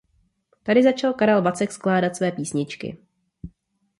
Tady začal Karel Vacek skládat své písničky.